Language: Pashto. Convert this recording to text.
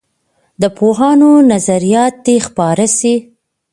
د پوهانو نظریات دې خپاره سي.